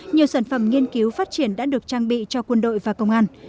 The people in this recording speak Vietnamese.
nhiều sản phẩm nghiên cứu phát triển đã được trang bị cho quân đội và công an